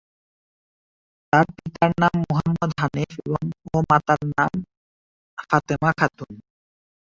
তার পিতার নাম মোহাম্মদ হানিফ ও মাতার নাম ফাতেমা খাতুন।